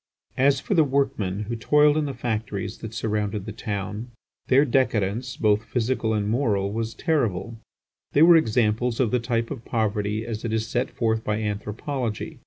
As for the workmen who toiled in the factories that surrounded the town, their decadence, both physical and moral, was terrible; they were examples of the type of poverty as it is set forth by anthropology.